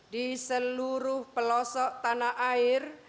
di seluruh pelosok tanah air